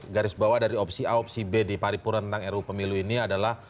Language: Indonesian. garis bawah dari opsi opsi b di paripurna tentang ru pemilu ini adalah